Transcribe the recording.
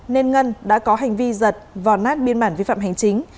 nên ngân đã có hành vi giật vò nát biên bản vi phạm hành chính